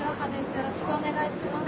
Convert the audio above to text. よろしくお願いします。